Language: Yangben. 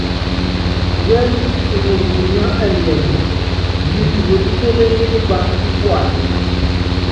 Yɛ́n iŋɔs kunyá ɛliɛŋɛ, yiik mepíséményí kipaŋ kí kuay.